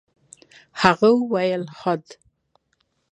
هغه وويل خود.